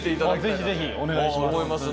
ぜひぜひお願いします。